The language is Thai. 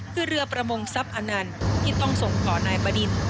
คือเรือประมงทรัพย์อนันต์ที่ต้องส่งต่อนายบดิน